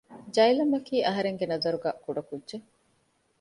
ޖައިލަމްއަކީ އަހަރެންގެ ނަޒަރުގައި ކުޑަކުއްޖެެއް